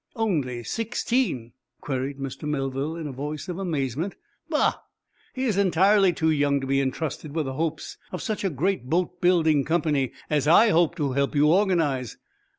"Only sixteen?" queried Mr. Melville, in a voice of amazement. "Bah! He is entirely too young to be entrusted with the hopes of such a great boat building company as I hope to help you organize.